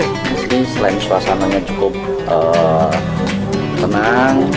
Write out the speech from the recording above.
di sini selain suasananya cukup tenang